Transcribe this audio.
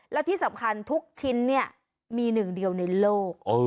แล้วที่สำคัญทุกชิ้นเนี่ยมีหนึ่งเดียวในโลก